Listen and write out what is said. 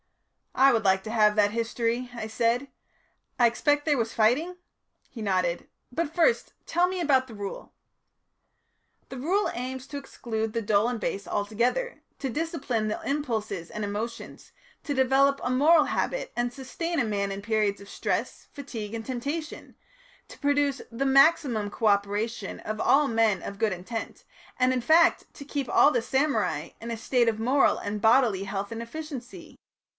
"I would like to have that history," I said. "I expect there was fighting?" He nodded. "But first tell me about the Rule." "The Rule aims to exclude the dull and base altogether, to discipline the impulses and emotions, to develop a moral habit and sustain a man in periods of stress, fatigue, and temptation, to produce the maximum co operation of all men of good intent, and, in fact, to keep all the samurai in a state of moral and bodily health and efficiency.